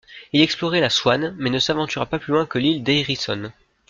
Il explorait la Swan mais ne s'aventura pas plus loin que l'île d'Heirisson.